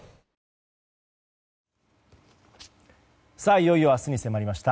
いよいよ明日に迫りました。